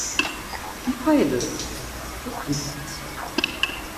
Die Feile ist ein klassisches Handwerkzeug.